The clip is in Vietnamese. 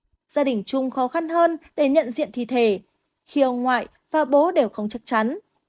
gia đình chung khó khăn hơn để nhận diện thi thể khi ông ngoại và bố đều không chắc chắn